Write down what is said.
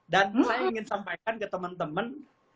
dan saya ingin sampaikan ke teman teman